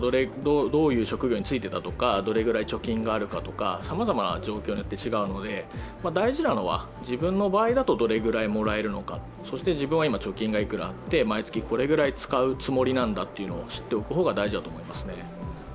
どういう職業についていたとか、どれぐらい貯金があるかとか、さまざまな状況によって違うので、大事なのは自分の場合だとどれくらいもらえるのか、そして自分は今、貯金がいくらあって毎月これぐらい使うつもりなんだということを知っておく方が大事だと思いますね。